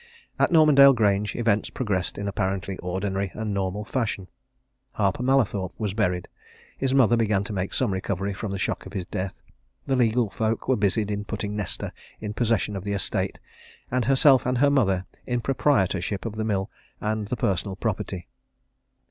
At Normandale Grange, events progressed in apparently ordinary and normal fashion. Harper Mallathorpe was buried; his mother began to make some recovery from the shock of his death; the legal folk were busied in putting Nesta in possession of the estate, and herself and her mother in proprietorship of the mill and the personal property.